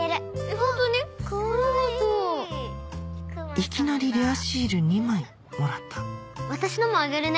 いきなりレアシール２枚もらった私のもあげるね。